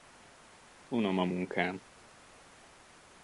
Unom a munkám.